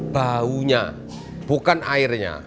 baunya bukan airnya